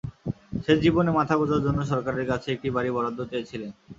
শেষ জীবনে মাথা গোঁজার জন্য সরকারের কাছে একটি বাড়ি বরাদ্দ চেয়েছিলেন।